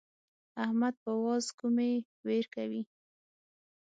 احمد په واز کومې وير کوي.